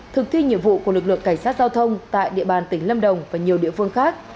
thực thi nhiệm vụ của lực lượng cảnh sát giao thông tại địa bàn tỉnh lâm đồng và nhiều địa phương khác